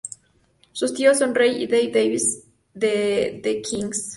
Sus tíos son Ray y Dave Davies de The Kinks.